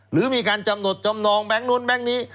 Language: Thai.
หรือมีการกำหนดจำนองแบงค์นู้นแก๊งนี้